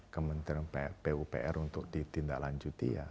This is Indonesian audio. kementerian pupr untuk ditindaklanjuti ya